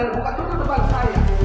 dibuka dulu depan saya